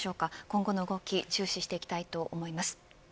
今後の動き注視していきたいと思います。